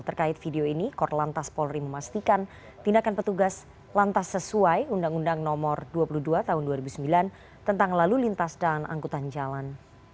terkait video ini korlantas polri memastikan tindakan petugas lantas sesuai undang undang nomor dua puluh dua tahun dua ribu sembilan tentang lalu lintas dan angkutan jalan